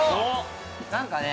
何かね